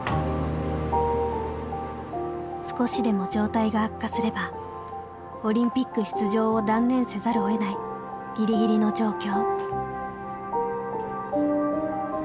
少しでも状態が悪化すればオリンピック出場を断念せざるをえないギリギリの状況。